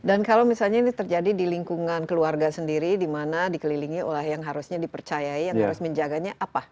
dan kalau misalnya ini terjadi di lingkungan keluarga sendiri di mana dikelilingi oleh yang harusnya dipercayai yang harus menjaganya apa